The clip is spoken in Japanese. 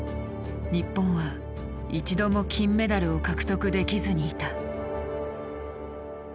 日本は一度も金メダルを獲得できずにいた。